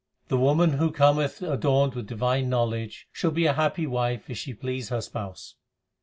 The woman who cometh adorned with divine knowledge, Shall be a happy wife if she please her Spouse.